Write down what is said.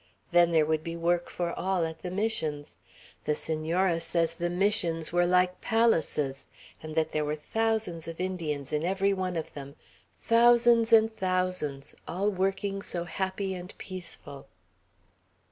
Then there would be work for all, at the Missions. The Senora says the Missions were like palaces, and that there were thousands of Indians in every one of them; thousands and thousands, all working so happy and peaceful."